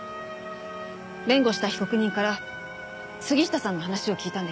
弁護した被告人から杉下さんの話を聞いたんです。